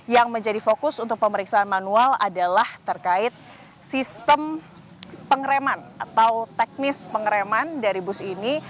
yang menjadi fokus untuk pemeriksaan manual adalah terkait sistem pengereman atau teknis pengereman dari bus ini